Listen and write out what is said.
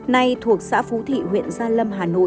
nay thuộc xã phú thị huyện gia lâm hà nội